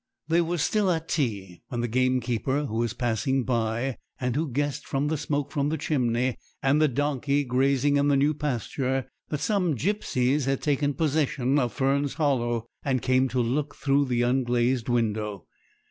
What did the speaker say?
They were still at tea when the gamekeeper, who was passing by, and who guessed from the smoke from the chimney, and the donkey grazing in the new pasture, that some gipsies had taken possession of Fern's Hollow, came to look through the unglazed window.